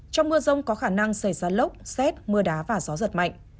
trong mưa rông có khả năng xảy ra lốc xét mưa đá và gió giật mạnh